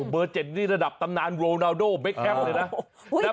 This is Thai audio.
เบอร์๗นี่ระดับตำนานโรนาโดเบคแอมเลยนะ